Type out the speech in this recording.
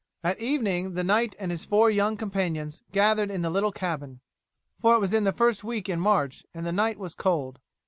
At evening the knight and his four young companions gathered in the little cabin, for it was in the first week in March, and the night was cold.